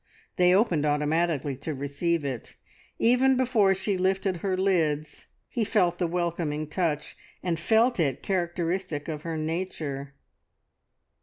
They opened automatically to receive it; even before she lifted her lids he felt the welcoming touch; and felt it characteristic of her nature.